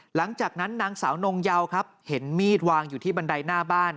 หลังจากนั้นนางสาวนงเยาครับเห็นมีดวางอยู่ที่บันไดหน้าบ้าน